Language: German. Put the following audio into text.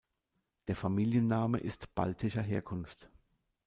Der Familienname ist baltischer Herkunft.